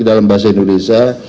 dalam bahasa indonesia